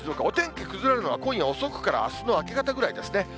お天気崩れるのは、今夜遅くから、あすの明け方ぐらいですね。